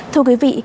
thưa quý vị